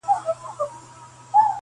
شا و خوا د تورو کاڼو کار و بار دی,